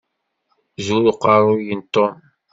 Zur uqerruy n Tom.